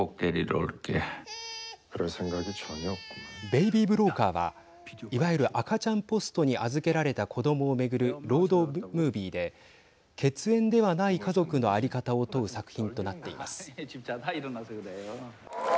ベイビー・ブローカーはいわゆる赤ちゃんポストに預けられた子どもをめぐるロードムービーで血縁ではない家族の在り方を問う作品となっています。